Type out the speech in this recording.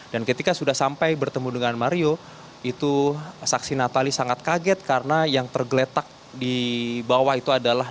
dan ketika sudah sampai bertemu dengan mario itu saksinatali sangat kaget karena yang tergeletak di bawah itu adalah